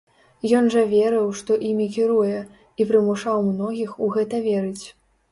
Ён жа верыў, што імі кіруе, і прымушаў многіх у гэта верыць.